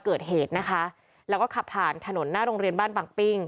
เกิดเหตุนะคะแล้วก็ขับผ่านถนนหน้าโรงเรียนบ้านบังปิ้ง